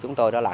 chúng tôi đó là